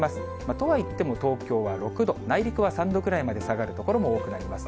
とはいっても東京は６度、内陸は３度くらいまで下がる所も多くなります。